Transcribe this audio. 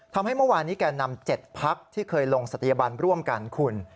เมื่อวานนี้แก่นำ๗พักที่เคยลงศัตยบันร่วมกันคุณ